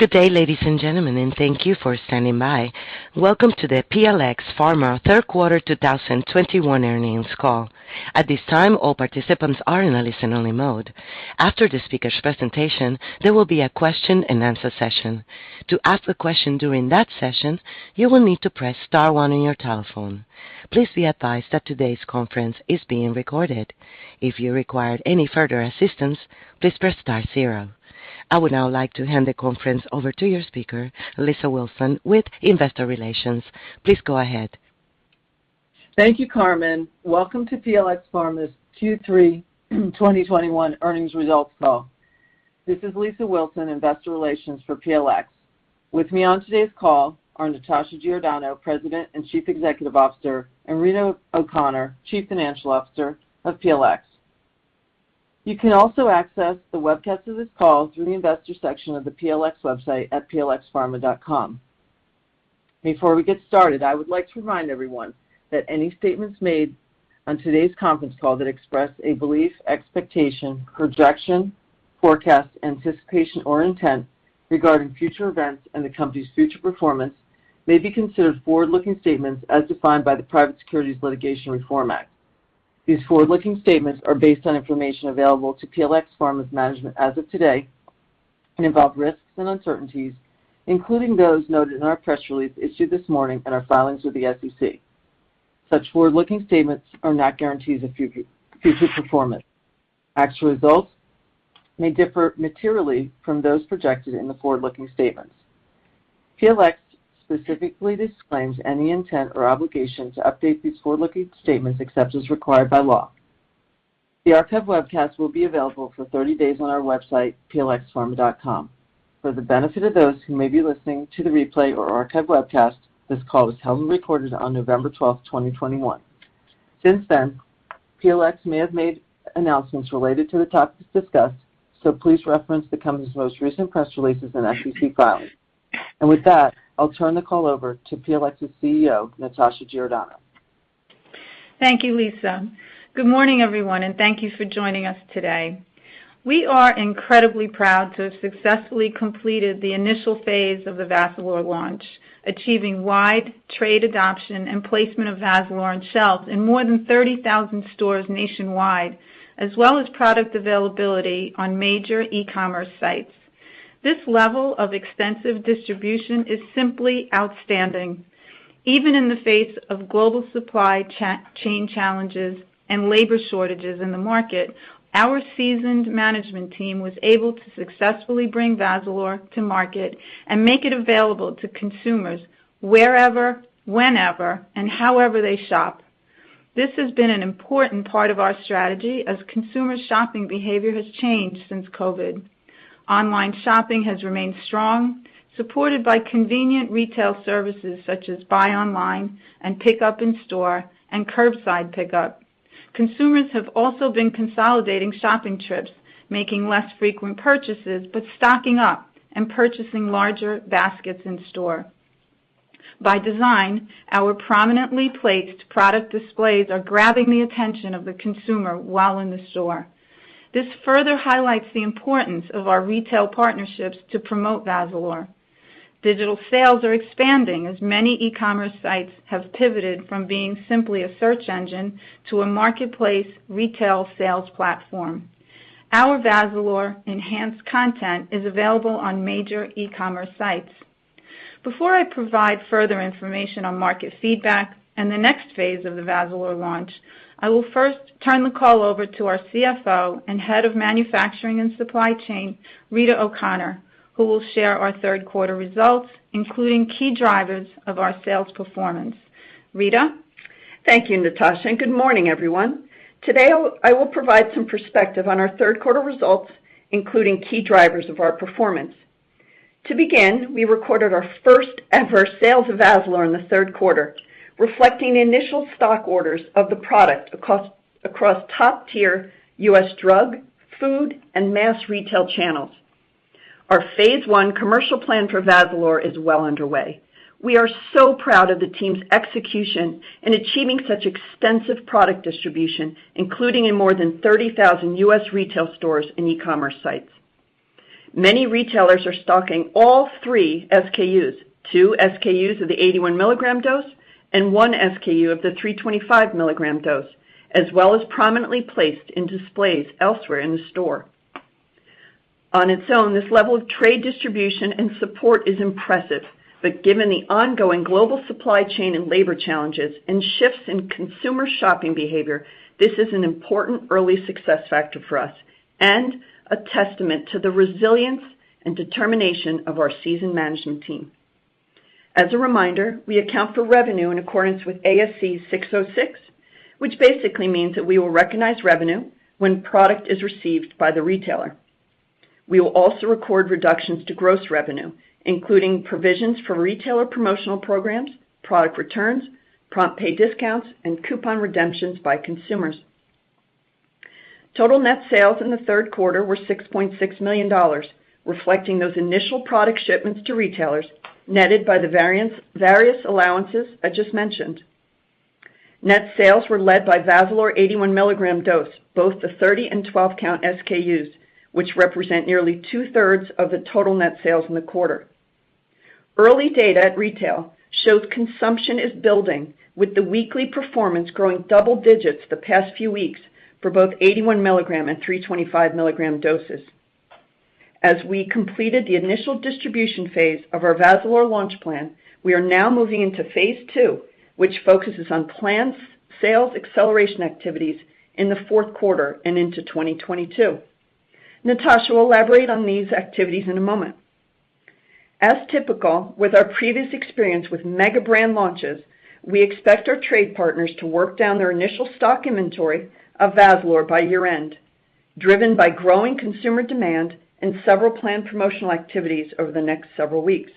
Good day, ladies and gentlemen, and thank you for standing by. Welcome to the PLx Pharma third quarter 2021 earnings call. At this time, all participants are in a listen-only mode. After the speaker's presentation, there will be a question-and-answer session. To ask a question during that session, you will need to press star one on your telephone. Please be advised that today's conference is being recorded. If you require any further assistance, please press star zero. I would now like to hand the conference over to your speaker, Lisa Wilson with Investor Relations. Please go ahead. Thank you, Carmen. Welcome to PLx Pharma's Q3 2021 earnings results call. This is Lisa Wilson, investor relations for PLx. With me on today's call are Natasha Giordano, President and Chief Executive Officer, and Rita O'Connor, Chief Financial Officer of PLx. You can also access the webcast of this call through the investor section of the PLx website at plxpharma.com. Before we get started, I would like to remind everyone that any statements made on today's conference call that express a belief, expectation, projection, forecast, anticipation, or intent regarding future events and the company's future performance may be considered forward-looking statements as defined by the Private Securities Litigation Reform Act. These forward-looking statements are based on information available to PLx Pharma's management as of today and involve risks and uncertainties, including those noted in our press release issued this morning and our filings with the SEC. Such forward-looking statements are not guarantees of future performance. Actual results may differ materially from those projected in the forward-looking statements. PLx specifically disclaims any intent or obligation to update these forward-looking statements except as required by law. The archive webcast will be available for 30 days on our website, plxpharma.com. For the benefit of those who may be listening to the replay or archive webcast, this call was held and recorded on November 12th, 2021. Since then, PLx may have made announcements related to the topics discussed, so please reference the company's most recent press releases and SEC filings. With that, I'll turn the call over to PLx's CEO, Natasha Giordano. Thank you, Lisa. Good morning, everyone, and thank you for joining us today. We are incredibly proud to have successfully completed the initial phase of the Vazalore launch, achieving wide trade adoption and placement of Vazalore on shelves in more than 30,000 stores nationwide, as well as product availability on major e-commerce sites. This level of extensive distribution is simply outstanding. Even in the face of global supply chain challenges and labor shortages in the market, our seasoned management team was able to successfully bring Vazalore to market and make it available to consumers wherever, whenever, and however they shop. This has been an important part of our strategy as consumer shopping behavior has changed since COVID. Online shopping has remained strong, supported by convenient retail services such as buy online and pickup in store and curbside pickup. Consumers have also been consolidating shopping trips, making less frequent purchases, but stocking up and purchasing larger baskets in store. By design, our prominently placed product displays are grabbing the attention of the consumer while in the store. This further highlights the importance of our retail partnerships to promote Vazalore. Digital sales are expanding as many e-commerce sites have pivoted from being simply a search engine to a marketplace retail sales platform. Our Vazalore enhanced content is available on major e-commerce sites. Before I provide further information on market feedback and the next phase of the Vazalore launch, I will first turn the call over to our CFO and Head of Manufacturing and Supply Chain, Rita O'Connor, who will share our third quarter results, including key drivers of our sales performance. Rita. Thank you, Natasha, and good morning, everyone. Today I will provide some perspective on our third quarter results, including key drivers of our performance. To begin, we recorded our first ever sales of Vazalore in the third quarter, reflecting initial stock orders of the product across top-tier U.S. drug, food, and mass retail channels. Our phase one commercial plan for Vazalore is well underway. We are so proud of the team's execution in achieving such extensive product distribution, including in more than 30,000 U.S. retail stores and e-commerce sites. Many retailers are stocking all three SKUs, two SKUs of the 81 mg dose and one SKU of the 325 mg dose, as well as prominently placed in displays elsewhere in the store. On its own, this level of trade distribution and support is impressive, but given the ongoing global supply chain and labor challenges and shifts in consumer shopping behavior, this is an important early success factor for us and a testament to the resilience and determination of our seasoned management team. As a reminder, we account for revenue in accordance with ASC 606, which basically means that we will recognize revenue when product is received by the retailer. We will also record reductions to gross revenue, including provisions for retailer promotional programs, product returns, prompt pay discounts, and coupon redemptions by consumers. Total net sales in the third quarter were $6.6 million, reflecting those initial product shipments to retailers, netted by the various allowances I just mentioned. Net sales were led by Vazalore 81 mg dose, both the 30 and 12 count SKUs, which represent nearly 2/3 of the total net sales in the quarter. Early data at retail shows consumption is building with the weekly performance growing double digits the past few weeks for both 81 mg and 325 mg doses. As we completed the initial distribution phase of our Vazalore launch plan, we are now moving into phase two, which focuses on planned sales acceleration activities in the fourth quarter and into 2022. Natasha will elaborate on these activities in a moment. As typical with our previous experience with mega brand launches, we expect our trade partners to work down their initial stock inventory of Vazalore by year-end, driven by growing consumer demand and several planned promotional activities over the next several weeks.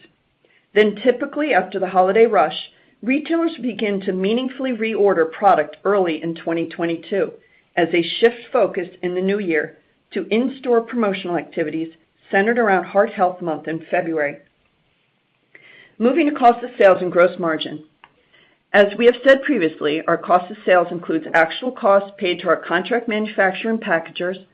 Typically after the holiday rush, retailers will begin to meaningfully reorder product early in 2022 as they shift focus in the new year to in-store promotional activities centered around Heart Health Month in February. Moving to cost of sales and gross margin. As we have said previously, our cost of sales includes actual costs paid to our contract manufacturer and packagers,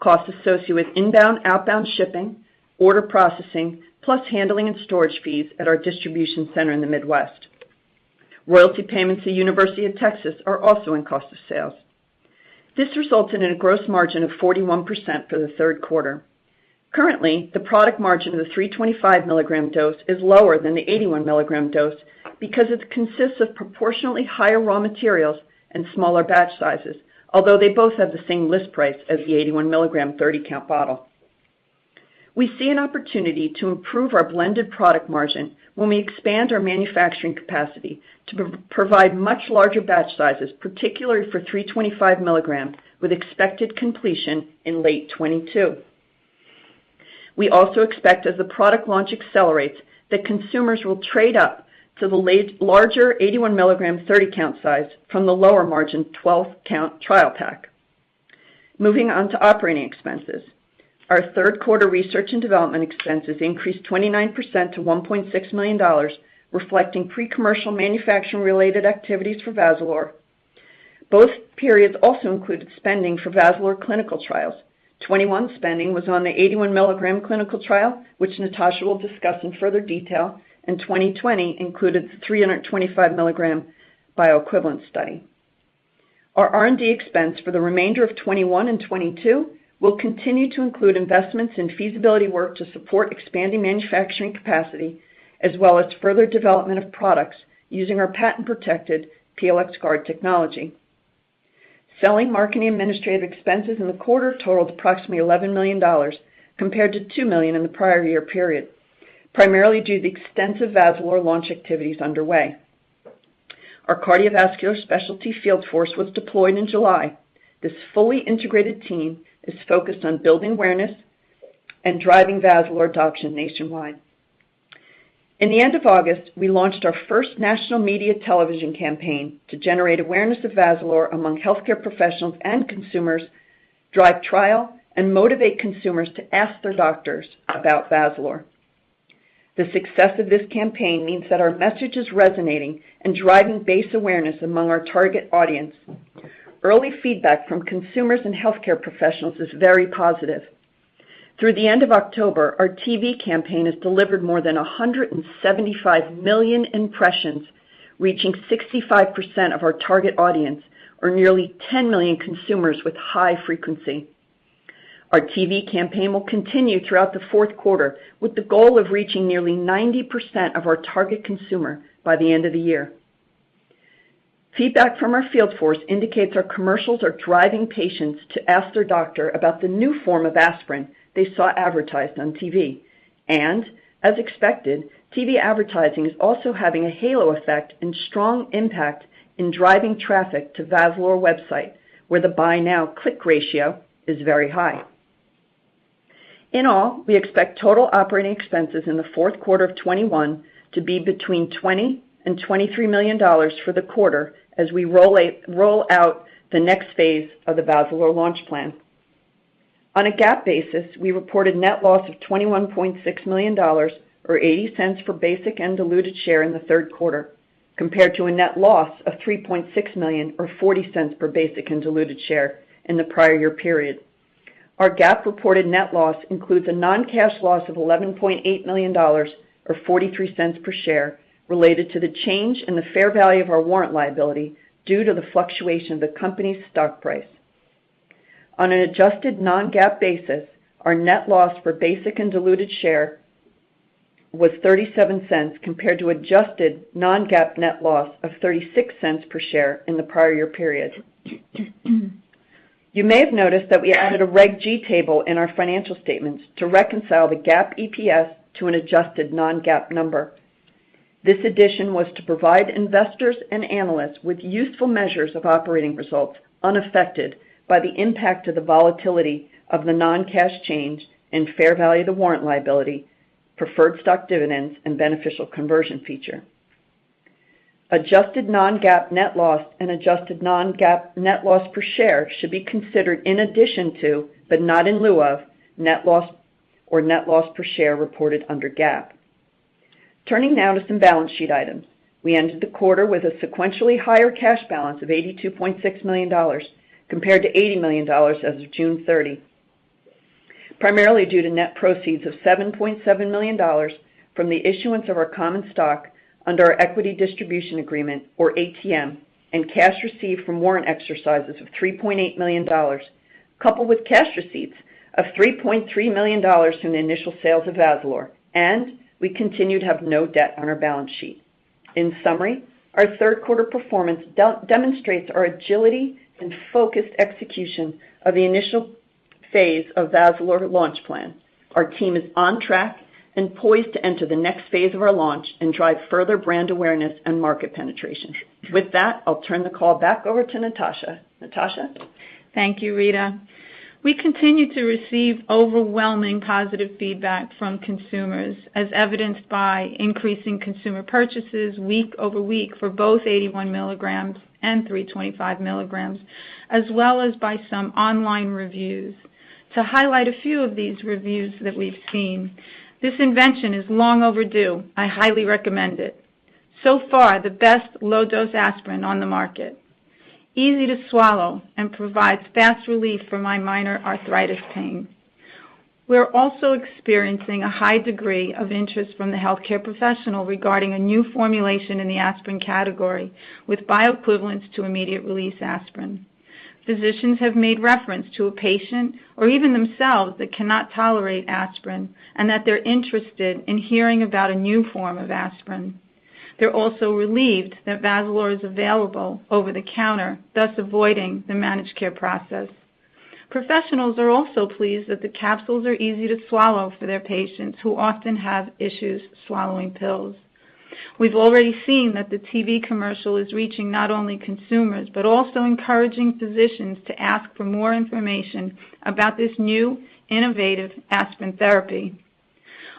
costs associated with inbound, outbound shipping, order processing, plus handling and storage fees at our distribution center in the Midwest. Royalty payments to University of Texas are also in cost of sales. This resulted in a gross margin of 41% for the third quarter. Currently, the product margin of the 325 mg dose is lower than the 81 mg dose because it consists of proportionally higher raw materials and smaller batch sizes, although they both have the same list price as the 81 mg 30-count bottle. We see an opportunity to improve our blended product margin when we expand our manufacturing capacity to provide much larger batch sizes, particularly for 325 mg, with expected completion in late 2022. We also expect as the product launch accelerates, that consumers will trade up to the larger 81 mg 30-count size from the lower margin 12-count trial pack. Moving on to operating expenses. Our third quarter research and development expenses increased 29% to $1.6 million, reflecting pre-commercial manufacturing-related activities for Vazalore. Both periods also included spending for Vazalore clinical trials. 2021 spending was on the 81 mg clinical trial, which Natasha will discuss in further detail, and 2020 included the 325 mg bioequivalence study. Our R&D expense for the remainder of 2021 and 2022 will continue to include investments in feasibility work to support expanding manufacturing capacity, as well as further development of products using our patent-protected PLxGuard technology. Selling, marketing, administrative expenses in the quarter totaled approximately $11 million compared to $2 million in the prior year period, primarily due to the extensive Vazalore launch activities underway. Our cardiovascular specialty field force was deployed in July. This fully integrated team is focused on building awareness and driving Vazalore adoption nationwide. At the end of August, we launched our first national media television campaign to generate awareness of Vazalore among healthcare professionals and consumers, drive trial, and motivate consumers to ask their doctors about Vazalore. The success of this campaign means that our message is resonating and driving base awareness among our target audience. Early feedback from consumers and healthcare professionals is very positive. Through the end of October, our TV campaign has delivered more than 175 million impressions, reaching 65% of our target audience, or nearly 10 million consumers with high frequency. Our TV campaign will continue throughout the fourth quarter with the goal of reaching nearly 90% of our target consumer by the end of the year. Feedback from our field force indicates our commercials are driving patients to ask their doctor about the new form of aspirin they saw advertised on TV. As expected, TV advertising is also having a halo effect and strong impact in driving traffic to Vazalore website, where the buy now click ratio is very high. In all, we expect total operating expenses in the fourth quarter of 2021 to be between $20 million and $23 million for the quarter as we roll out the next phase of the Vazalore launch plan. On a GAAP basis, we reported net loss of $21.6 million or $0.80 per basic and diluted share in the third quarter compared to a net loss of $3.6 million or $0.40 per basic and diluted share in the prior year period. Our GAAP reported net loss includes a non-cash loss of $11.8 million or $0.43 per share related to the change in the fair value of our warrant liability due to the fluctuation of the company's stock price. On an adjusted non-GAAP basis, our net loss per basic and diluted share was $0.37 compared to adjusted non-GAAP net loss of $0.36 per share in the prior year period. You may have noticed that we added a Reg G table in our financial statements to reconcile the GAAP EPS to an adjusted non-GAAP number. This addition was to provide investors and analysts with useful measures of operating results unaffected by the impact of the volatility of the non-cash change in fair value of the warrant liability, preferred stock dividends, and beneficial conversion feature. Adjusted non-GAAP net loss and adjusted non-GAAP net loss per share should be considered in addition to, but not in lieu of, net loss or net loss per share reported under GAAP. Turning now to some balance sheet items. We ended the quarter with a sequentially higher cash balance of $82.6 million, compared to $80 million as of June 30. Primarily due to net proceeds of $7.7 million from the issuance of our common stock under our equity distribution agreement or ATM and cash received from warrant exercises of $3.8 million, coupled with cash receipts of $3.3 million from the initial sales of Vazalore, and we continue to have no debt on our balance sheet. In summary, our third quarter performance demonstrates our agility and focused execution of the initial phase of Vazalore launch plan. Our team is on track and poised to enter the next phase of our launch and drive further brand awareness and market penetration. With that, I'll turn the call back over to Natasha. Natasha? Thank you, Rita. We continue to receive overwhelming positive feedback from consumers, as evidenced by increasing consumer purchases week over week for both 81 mg and 325 mg, as well as by some online reviews. To highlight a few of these reviews that we've seen, "This invention is long overdue. I highly recommend it. So far, the best low dose aspirin on the market. Easy to swallow and provides fast relief for my minor arthritis pain." We're also experiencing a high degree of interest from the healthcare professionals regarding a new formulation in the aspirin category with bioequivalence to immediate release aspirin. Physicians have made reference to a patient or even themselves that cannot tolerate aspirin, and that they're interested in hearing about a new form of aspirin. They're also relieved that Vazalore is available over the counter, thus avoiding the managed care process. Professionals are also pleased that the capsules are easy to swallow for their patients who often have issues swallowing pills. We've already seen that the TV commercial is reaching not only consumers, but also encouraging physicians to ask for more information about this new innovative aspirin therapy.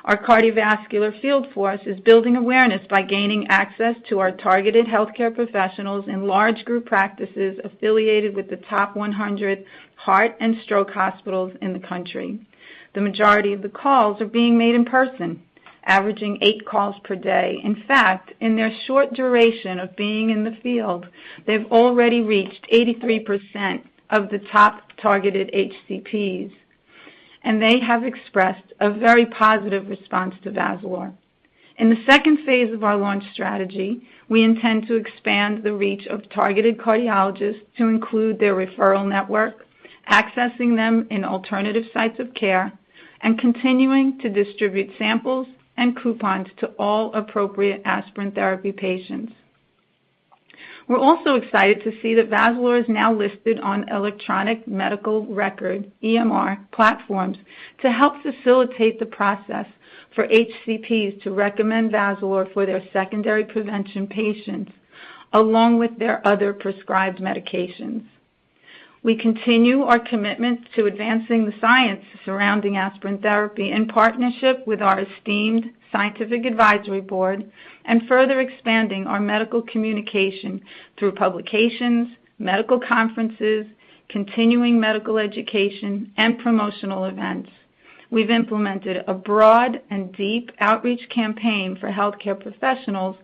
Our cardiovascular field force is building awareness by gaining access to our targeted healthcare professionals in large group practices affiliated with the top 100 heart and stroke hospitals in the country. The majority of the calls are being made in person, averaging eight calls per day. In fact, in their short duration of being in the field, they've already reached 83% of the top targeted HCPs, and they have expressed a very positive response to Vazalore. In the second phase of our launch strategy, we intend to expand the reach of targeted cardiologists to include their referral network, accessing them in alternative sites of care, and continuing to distribute samples and coupons to all appropriate aspirin therapy patients. We're also excited to see that Vazalore is now listed on electronic medical record, EMR, platforms to help facilitate the process for HCPs to recommend Vazalore for their secondary prevention patients along with their other prescribed medications. We continue our commitment to advancing the science surrounding aspirin therapy in partnership with our esteemed scientific advisory board and further expanding our medical communication through publications, medical conferences, continuing medical education, and promotional events. We've implemented a broad and deep outreach campaign for healthcare professionals,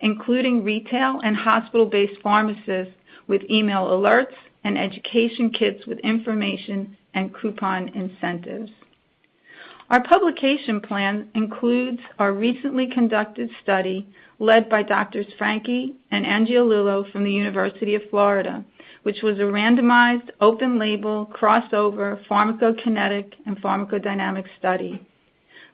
including retail and hospital-based pharmacists with email alerts and education kits with information and coupon incentives. Our publication plan includes our recently conducted study led by Doctors Franchi and Angiolillo from the University of Florida, which was a randomized, open-label, crossover pharmacokinetic and pharmacodynamic study.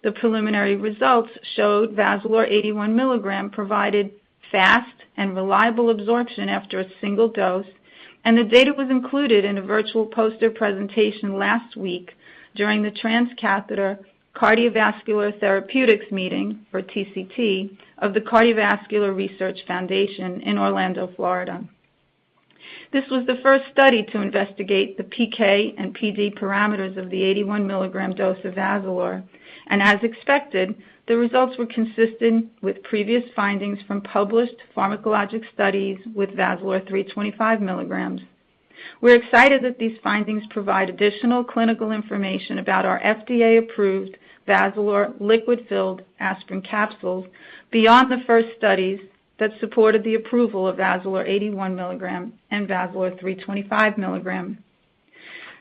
The preliminary results showed Vazalore 81 mg provided fast and reliable absorption after a single dose, and the data was included in a virtual poster presentation last week during the Transcatheter Cardiovascular Therapeutics meeting, or TCT, of the Cardiovascular Research Foundation in Orlando, Florida. This was the first study to investigate the PK and PD parameters of the 81 mg dose of Vazalore, and as expected, the results were consistent with previous findings from published pharmacologic studies with Vazalore 325 mg. We're excited that these findings provide additional clinical information about our FDA-approved Vazalore liquid-filled aspirin capsules beyond the first studies that supported the approval of Vazalore 81 mg and Vazalore 325 mg.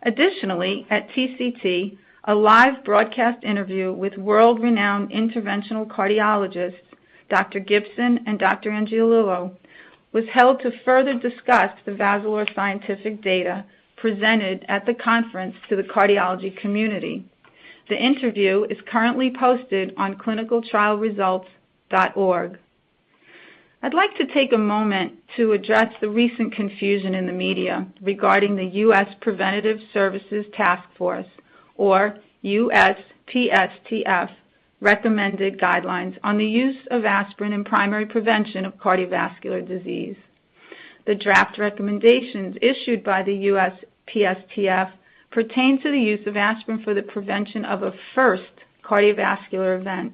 Additionally, at TCT, a live broadcast interview with world-renowned interventional cardiologists, Dr. Gibson and Dr. Angiolillo, was held to further discuss the Vazalore scientific data presented at the conference to the cardiology community. The interview is currently posted on clinicaltrialresults.org. I'd like to take a moment to address the recent confusion in the media regarding the U.S. Preventive Services Task Force or USPSTF recommended guidelines on the use of aspirin in primary prevention of cardiovascular disease. The draft recommendations issued by the USPSTF pertain to the use of aspirin for the prevention of a first cardiovascular event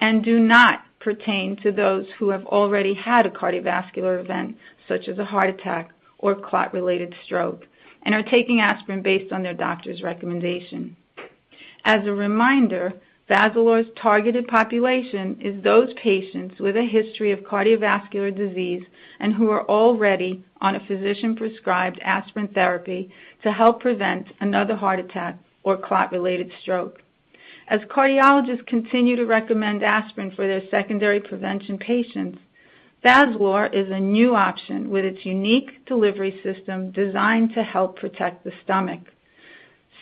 and do not pertain to those who have already had a cardiovascular event, such as a heart attack or clot-related stroke, and are taking aspirin based on their doctor's recommendation. As a reminder, Vazalore's targeted population is those patients with a history of cardiovascular disease and who are already on a physician-prescribed aspirin therapy to help prevent another heart attack or clot-related stroke. As cardiologists continue to recommend aspirin for their secondary prevention patients, Vazalore is a new option with its unique delivery system designed to help protect the stomach.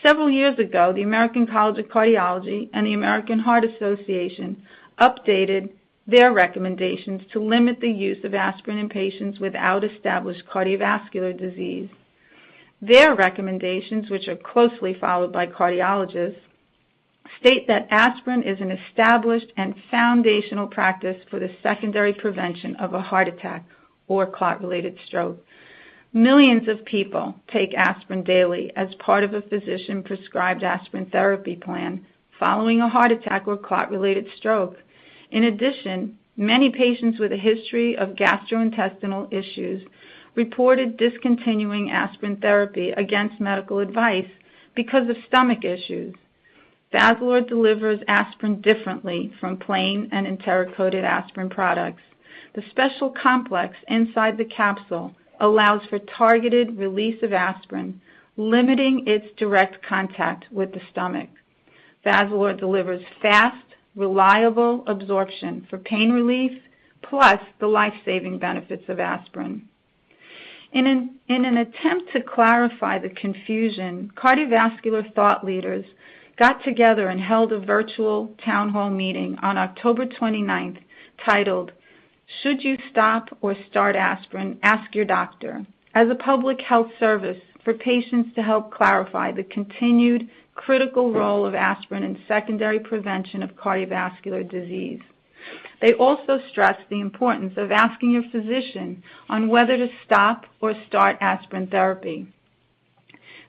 Several years ago, the American College of Cardiology and the American Heart Association updated their recommendations to limit the use of aspirin in patients without established cardiovascular disease. Their recommendations, which are closely followed by cardiologists, state that aspirin is an established and foundational practice for the secondary prevention of a heart attack or clot-related stroke. Millions of people take aspirin daily as part of a physician-prescribed aspirin therapy plan following a heart attack or clot-related stroke. In addition, many patients with a history of gastrointestinal issues reported discontinuing aspirin therapy against medical advice because of stomach issues. Vazalore delivers aspirin differently from plain and enterically-coated aspirin products. The special complex inside the capsule allows for targeted release of aspirin, limiting its direct contact with the stomach. Vazalore delivers fast, reliable absorption for pain relief, plus the life-saving benefits of aspirin. In an attempt to clarify the confusion, cardiovascular thought leaders got together and held a virtual town hall meeting on October 29, titled Should You Stop or Start Aspirin? Ask your doctor, as a public health service for patients to help clarify the continued critical role of aspirin in secondary prevention of cardiovascular disease. They also stressed the importance of asking your physician on whether to stop or start aspirin therapy.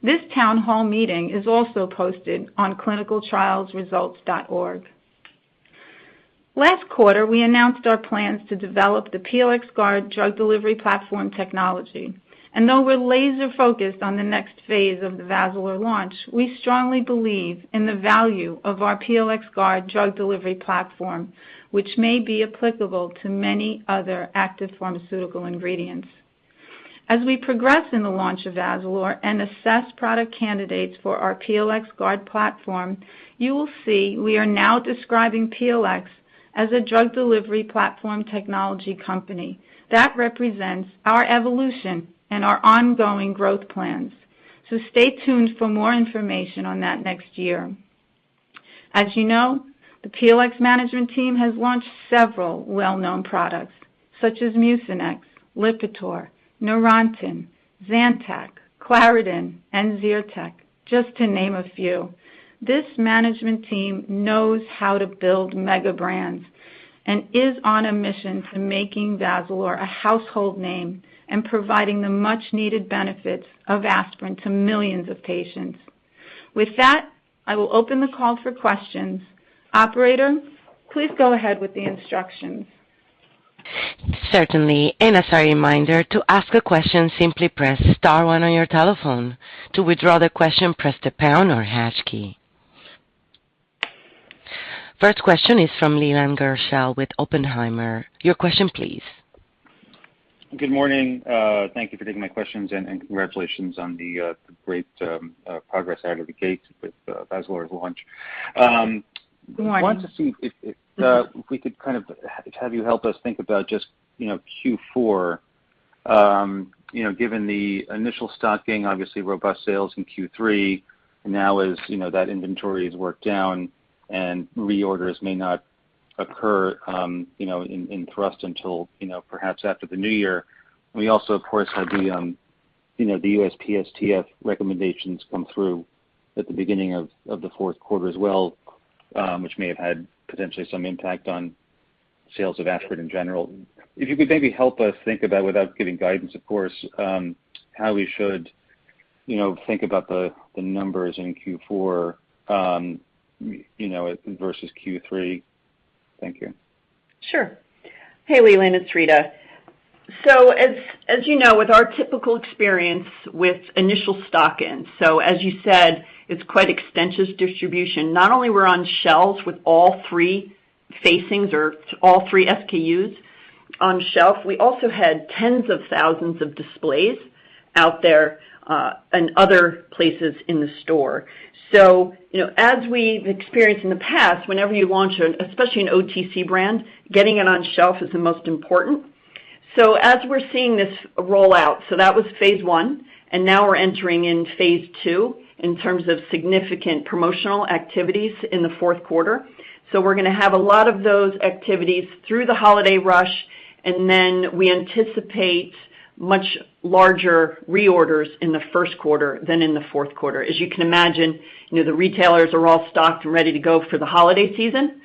This town hall meeting is also posted on clinicaltrialresults.org. Last quarter, we announced our plans to develop the PLxGuard drug delivery platform technology. Though we're laser-focused on the next phase of the Vazalore launch, we strongly believe in the value of our PLxGuard drug delivery platform, which may be applicable to many other active pharmaceutical ingredients. As we progress in the launch of Vazalore and assess product candidates for our PLxGuard platform, you will see we are now describing PLx as a drug delivery platform technology company. That represents our evolution and our ongoing growth plans. Stay tuned for more information on that next year. As you know, the PLx management team has launched several well-known products such as Mucinex, Lipitor, Neurontin, Zantac, Claritin, and Zyrtec, just to name a few. This management team knows how to build mega brands and is on a mission to making Vazalore a household name and providing the much-needed benefits of aspirin to millions of patients. With that, I will open the call for questions. Operator, please go ahead with the instructions. Certainly. As a reminder, to ask a question, simply press star one on your telephone. To withdraw the question, press the pound or hash key. First question is from Leland Gershell with Oppenheimer. Your question, please. Good morning. Thank you for taking my questions, and congratulations on the great progress out of the gate with Vazalore's launch. Good morning. I want to see if we could kind of have you help us think about just, you know, Q4. You know, given the initial stocking, obviously robust sales in Q3 and now as, you know, that inventory is worked down and reorders may not occur until, you know, perhaps after the new year. We also, of course, had the, you know, the USPSTF recommendations come through at the beginning of the fourth quarter as well, which may have had potentially some impact on sales of aspirin in general. If you could maybe help us think about, without giving guidance, of course, how we should, you know, think about the numbers in Q4, you know, versus Q3. Thank you. Sure. Hey, Leland, it's Rita. As you know, with our typical experience with initial stock-ins, as you said, it's quite extensive distribution. Not only we're on shelves with all three facings or all three SKUs on shelf, we also had tens of thousands of displays out there, and other places in the store. You know, as we've experienced in the past, whenever you launch an, especially an OTC brand, getting it on shelf is the most important. As we're seeing this roll out, that was phase one, and now we're entering in phase two in terms of significant promotional activities in the fourth quarter. We're gonna have a lot of those activities through the holiday rush, and then we anticipate much larger reorders in the first quarter than in the fourth quarter. As you can imagine, you know, the retailers are all stocked and ready to go for the holiday season.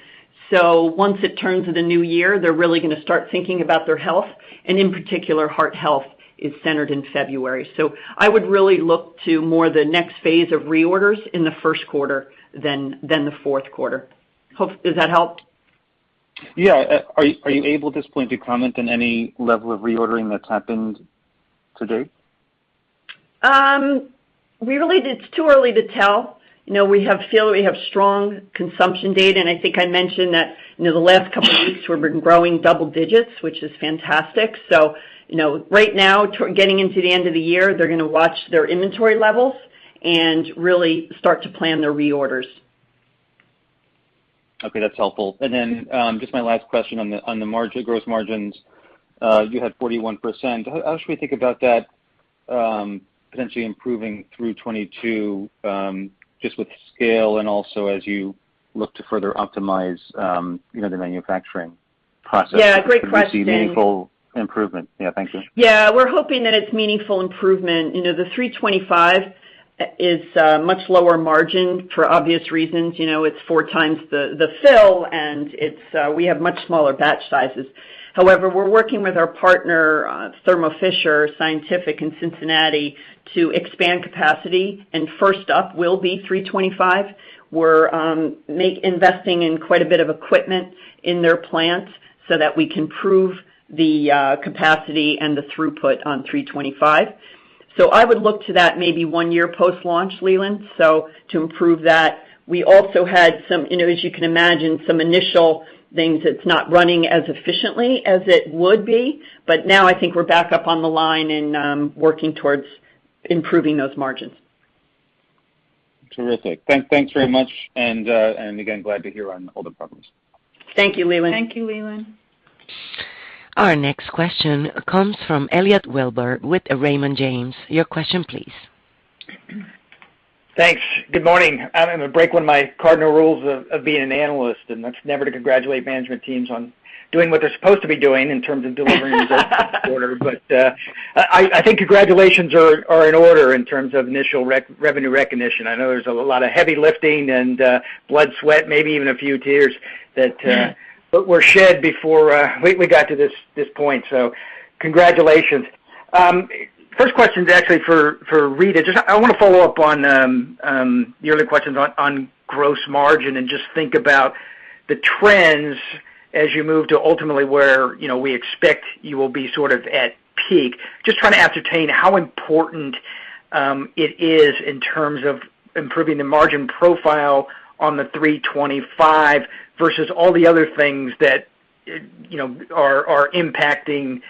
Once it turns to the new year, they're really gonna start thinking about their health, and in particular, heart health is centered in February. I would really look to more the next phase of reorders in the first quarter than the fourth quarter. Does that help? Yeah. Are you able at this point to comment on any level of reordering that's happened to date? It's too early to tell. You know, we feel we have strong consumption data, and I think I mentioned that, you know, the last couple of weeks we've been growing double digits, which is fantastic. You know, right now, getting into the end of the year, they're gonna watch their inventory levels and really start to plan their reorders. Okay, that's helpful. Just my last question on the margin, gross margins. You had 41%. How should we think about that, potentially improving through 2022, just with scale and also as you look to further optimize, you know, the manufacturing processes. Yeah, great question. To see meaningful improvement? Yeah. Thank you. Yeah. We're hoping that it's meaningful improvement. You know, the 325 is much lower margin for obvious reasons. You know, it's 4 times the fill, and we have much smaller batch sizes. We're working with our partner, Thermo Fisher Scientific in Cincinnati to expand capacity, and first up will be 325. We're investing in quite a bit of equipment in their plants so that we can prove the capacity and the throughput on 325. I would look to that maybe one year post-launch, Leland. To improve that, we also had some, you know, as you can imagine, some initial things. It's not running as efficiently as it would be. Now I think we're back up on the line and working towards improving those margins. Terrific. Thanks very much. Again, glad to hear about all the progress. Thank you, Leland. Thank you, Leland. Our next question comes from Elliot Wilbur with Raymond James. Your question, please. Thanks. Good morning. I'm gonna break one of my cardinal rules of being an analyst, and that's never to congratulate management teams on doing what they're supposed to be doing in terms of delivering results this quarter. I think congratulations are in order in terms of initial revenue recognition. I know there's a lot of heavy lifting and, blood, sweat, maybe even a few tears that, Yeah. Were shed before we got to this point. Congratulations. First question is actually for Rita. Just, I wanna follow up on your other questions on gross margin and just think about the trends as you move to ultimately where, you know, we expect you will be sort of at peak. Just trying to ascertain how important it is in terms of improving the margin profile on the 325 versus all the other things that, you know, are impacting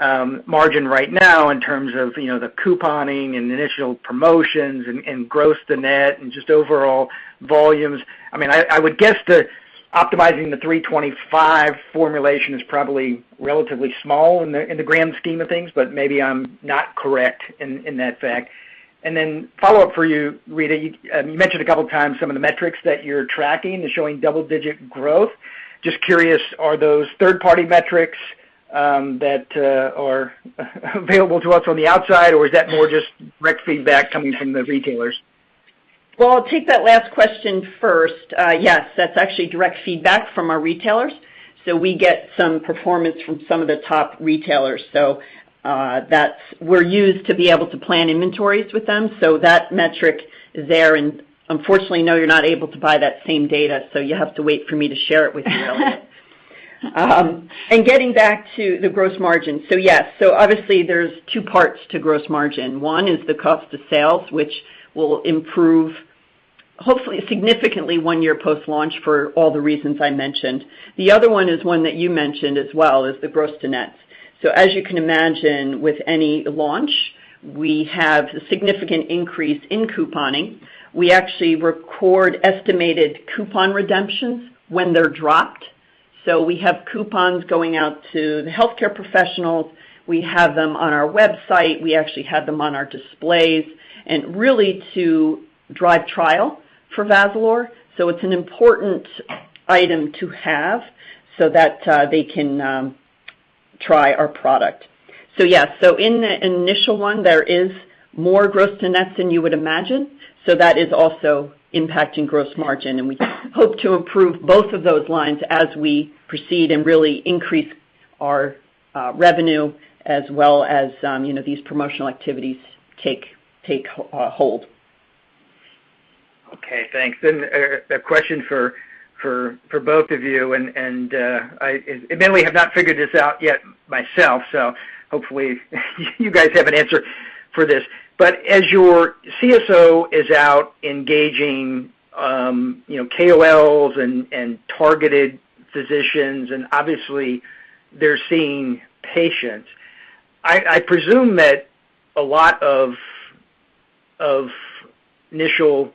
margin right now in terms of, you know, the couponing and initial promotions and gross to net and just overall volumes. I mean, I would guess that optimizing the 325 formulation is probably relatively small in the grand scheme of things, but maybe I'm not correct in that fact. Then follow up for you, Rita. You mentioned a couple of times some of the metrics that you're tracking is showing double-digit growth. Just curious, are those third-party metrics that are available to us on the outside, or is that more just direct feedback coming from the retailers? Well, I'll take that last question first. Yes, that's actually direct feedback from our retailers. We get some performance from some of the top retailers. That's what we use to be able to plan inventories with them. That metric is there and unfortunately, no, you're not able to buy that same data, so you have to wait for me to share it with you, Elliot. Getting back to the gross margin. Yes. Obviously there's two parts to gross margin. One is the cost of sales, which will improve hopefully significantly one year post-launch for all the reasons I mentioned. The other one is one that you mentioned as well, is the gross to net. As you can imagine with any launch, we have significant increase in couponing. We actually record estimated coupon redemptions when they're dropped. We have coupons going out to the healthcare professionals. We have them on our website. We actually have them on our displays really to drive trial for Vazalore. It's an important item to have so that they can try our product. Yes. In the initial one, there is more gross to net than you would imagine. That is also impacting gross margin, and we hope to improve both of those lines as we proceed and really increase our revenue as well as you know these promotional activities take hold. Okay, thanks. A question for both of you. I have not figured this out yet myself, so hopefully you guys have an answer for this. As your CSO is out engaging KOLs and targeted physicians, and obviously they're seeing patients, I presume that a lot of initial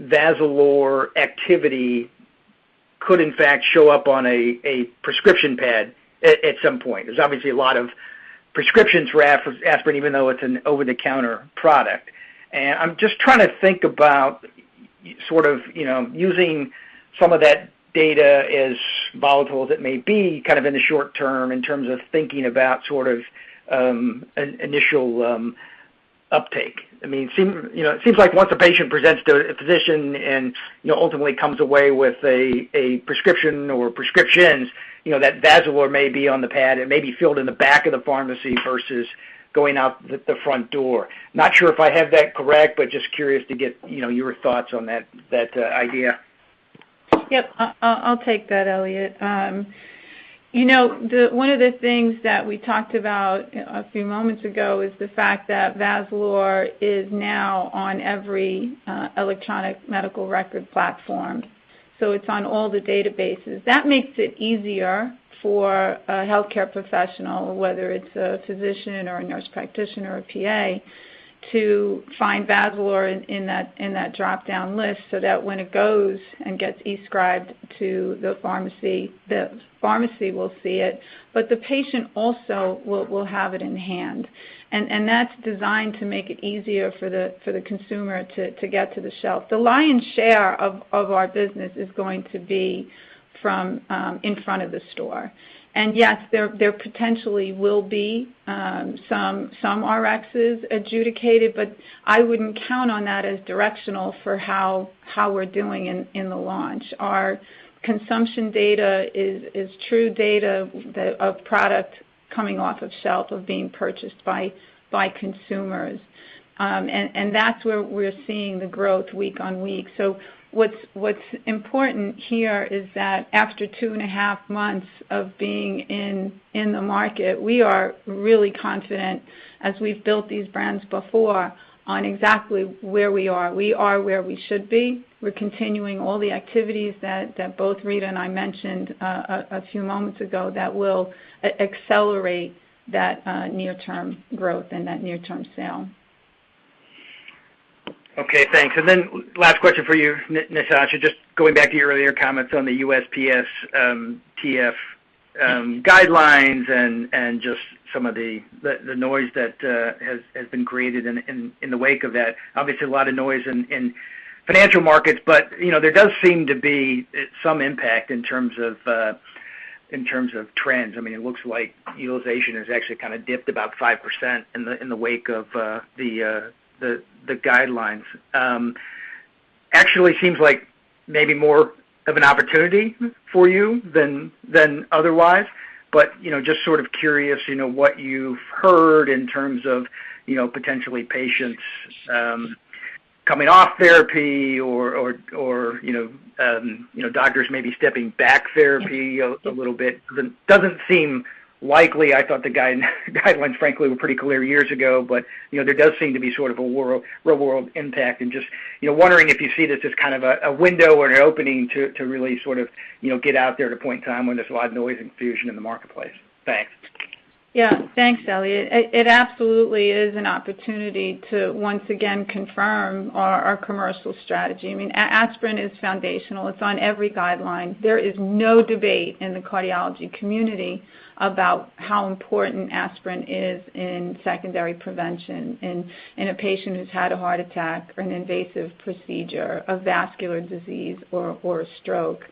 Vazalore activity could in fact show up on a prescription pad at some point. There's obviously a lot of prescriptions for aspirin even though it's an over-the-counter product. I'm just trying to think about sort of using some of that data as volatile as it may be, kind of in the short term in terms of thinking about sort of an initial uptake. I mean, it seems like once a patient presents to a physician and, you know, ultimately comes away with a prescription or prescriptions, you know, that Vazalore may be on the pad and may be filled in the back of the pharmacy versus going out the front door. Not sure if I have that correct, but just curious to get, you know, your thoughts on that idea. Yep. I'll take that, Elliot. You know, one of the things that we talked about a few moments ago is the fact that Vazalore is now on every electronic medical record platform. So it's on all the databases. That makes it easier for a healthcare professional, whether it's a physician or a nurse practitioner or a PA, to find Vazalore in that drop-down list so that when it goes and gets e-prescribed to the pharmacy, the pharmacy will see it, but the patient also will have it in hand. That's designed to make it easier for the consumer to get to the shelf. The lion's share of our business is going to be from in front of the store. Yes, there potentially will be some RXs adjudicated, but I wouldn't count on that as directional for how we're doing in the launch. Our consumption data is true data that of product coming off of shelf or being purchased by consumers. And that's where we're seeing the growth week on week. What's important here is that after two and a half months of being in the market, we are really confident as we've built these brands before on exactly where we are. We are where we should be. We're continuing all the activities that both Rita and I mentioned a few moments ago that will accelerate that near-term growth and that near-term sale. Okay, thanks. Last question for you, Natasha, just going back to your earlier comments on the USPSTF guidelines and just some of the noise that has been created in the wake of that. Obviously, a lot of noise in financial markets, but you know, there does seem to be some impact in terms of trends. I mean, it looks like utilization has actually kind of dipped about 5% in the wake of the guidelines. Actually seems like maybe more of an opportunity for you than otherwise. You know, just sort of curious, you know, what you've heard in terms of, you know, potentially patients coming off therapy or you know, doctors maybe stepping back therapy a little bit. Because it doesn't seem likely. I thought the guidelines, frankly, were pretty clear years ago. You know, there does seem to be sort of a real world impact. Just, you know, wondering if you see this as kind of a window or an opening to really sort of, you know, get out there at a point in time when there's a lot of noise and confusion in the marketplace. Thanks. Yeah. Thanks, Elliott. It absolutely is an opportunity to once again confirm our commercial strategy. I mean, aspirin is foundational. It's on every guideline. There is no debate in the cardiology community about how important aspirin is in secondary prevention in a patient who's had a heart attack or an invasive procedure, a vascular disease or a stroke.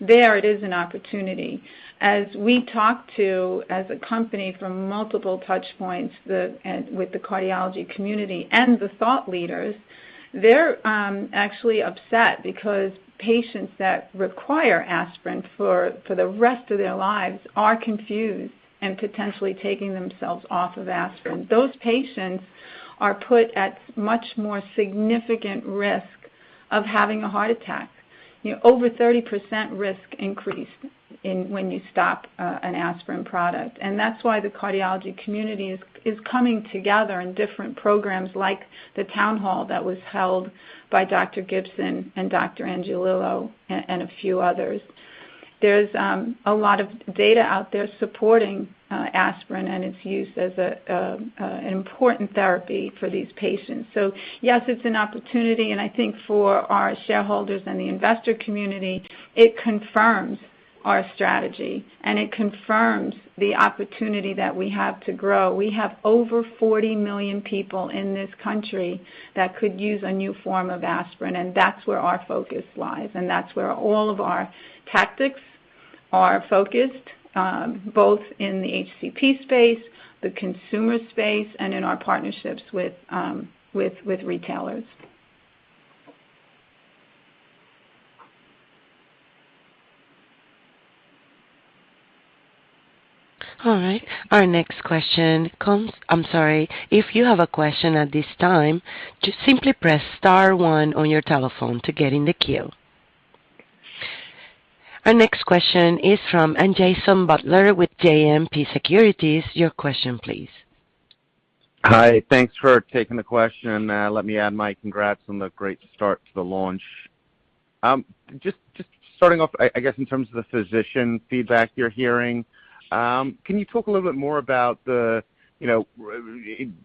There it is an opportunity. As we talk to, as a company from multiple touch points, the with the cardiology community and the thought leaders, they're actually upset because patients that require aspirin for the rest of their lives are confused and potentially taking themselves off of aspirin. Those patients are put at much more significant risk of having a heart attack. You know, over 30% risk increase when you stop an aspirin product. That's why the cardiology community is coming together in different programs like the town hall that was held by Dr. Gibson and Dr. Angiolillo and a few others. There's a lot of data out there supporting aspirin and its use as an important therapy for these patients. Yes, it's an opportunity, and I think for our shareholders and the investor community, it confirms our strategy, and it confirms the opportunity that we have to grow. We have over 40 million people in this country that could use a new form of aspirin, and that's where our focus lies, and that's where all of our tactics are focused, both in the HCP space, the consumer space, and in our partnerships with retailers. All right. If you have a question at this time, just simply press star one on your telephone to get in the queue. Our next question is from Jason Butler with JMP Securities. Your question, please. Hi. Thanks for taking the question. Let me add my congrats on the great start to the launch. Just starting off, I guess, in terms of the physician feedback you're hearing, can you talk a little bit more about the, you know,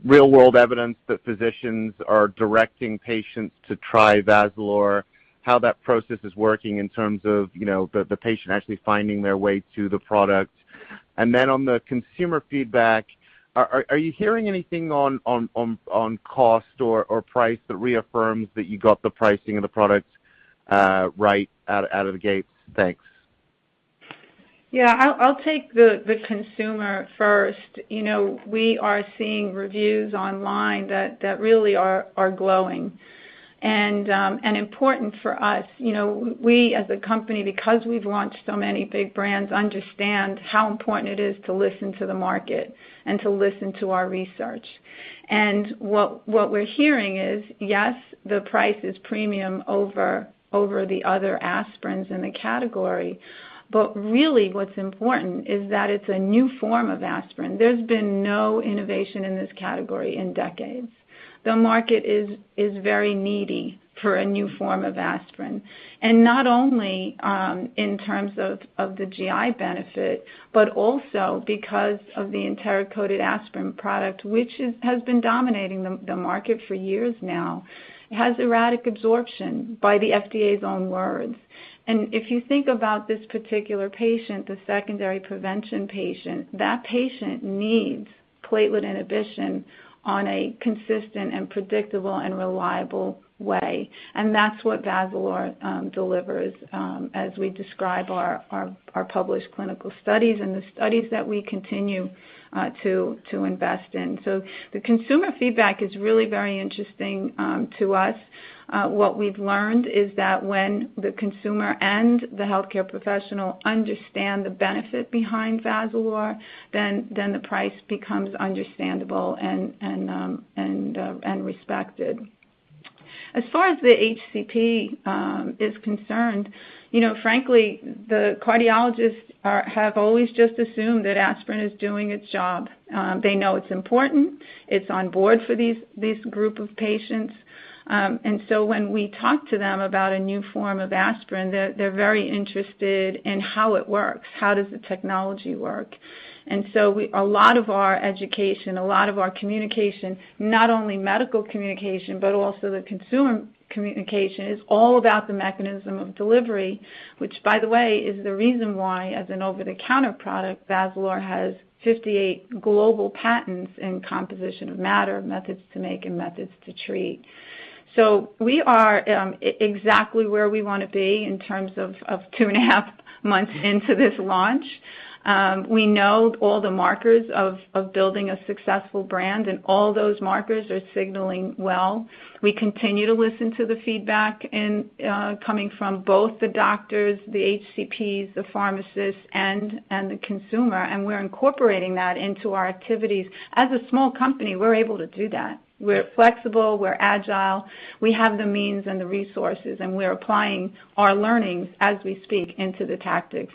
real world evidence that physicians are directing patients to try Vazalore, how that process is working in terms of, you know, the patient actually finding their way to the product? On the consumer feedback, are you hearing anything on cost or price that reaffirms that you got the pricing of the product right out of the gates? Thanks. Yeah. I'll take the consumer first. You know, we are seeing reviews online that really are glowing. Important for us, you know, we as a company, because we've launched so many big brands, understand how important it is to listen to the market and to listen to our research. What we're hearing is, yes, the price is premium over the other aspirins in the category. Really what's important is that it's a new form of aspirin. There's been no innovation in this category in decades. The market is very needy for a new form of aspirin. Not only in terms of the GI benefit, but also because of the enteric-coated aspirin product, which has been dominating the market for years now. It has erratic absorption by the FDA's own words. If you think about this particular patient, the secondary prevention patient, that patient needs platelet inhibition on a consistent and predictable and reliable way. That's what Vazalore delivers, as we describe our published clinical studies and the studies that we continue to invest in. The consumer feedback is really very interesting to us. What we've learned is that when the consumer and the healthcare professional understand the benefit behind Vazalore, the price becomes understandable and respected. As far as the HCP is concerned, you know, frankly, the cardiologists have always just assumed that aspirin is doing its job. They know it's important, it's on board for these group of patients. When we talk to them about a new form of aspirin, they're very interested in how it works, how does the technology work. A lot of our education, a lot of our communication, not only medical communication, but also the consumer communication, is all about the mechanism of delivery, which, by the way, is the reason why, as an over-the-counter product, Vazalore has 58 global patents in composition of matter, methods to make, and methods to treat. We are exactly where we wanna be in terms of 2.5 months into this launch. We know all the markers of building a successful brand, and all those markers are signaling well. We continue to listen to the feedback and coming from both the doctors, the HCPs, the pharmacists, and the consumer, and we're incorporating that into our activities. As a small company, we're able to do that. We're flexible, we're agile, we have the means and the resources, and we're applying our learnings as we speak into the tactics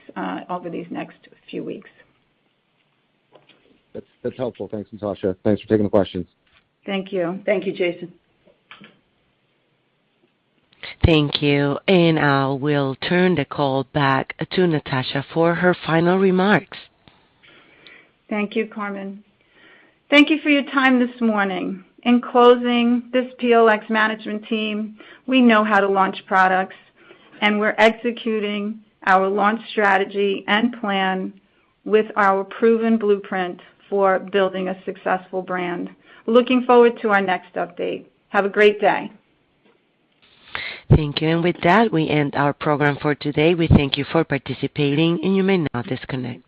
over these next few weeks. That's helpful. Thanks, Natasha. Thanks for taking the questions. Thank you. Thank you, Jason. Thank you. I will turn the call back to Natasha for her final remarks. Thank you, Carmen. Thank you for your time this morning. In closing, this PLx management team, we know how to launch products, and we're executing our launch strategy and plan with our proven blueprint for building a successful brand. Looking forward to our next update. Have a great day. Thank you. With that, we end our program for today. We thank you for participating, and you may now disconnect.